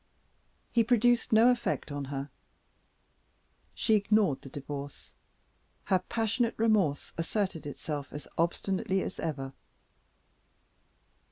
He produced no effect on her. She ignored the Divorce; her passionate remorse asserted itself as obstinately as ever.